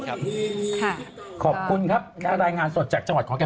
ขอบคุณครับการรายงานสดจากจังหวัดขอนแก่น